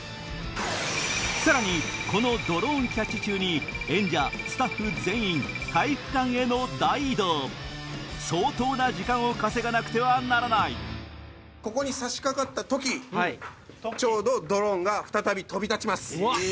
さらにこのドローンキャッチ中に演者スタッフ全員体育館への大移動相当な時間を稼がなくてはならないここに差しかかった時ちょうどドローンが再び飛び立ちます。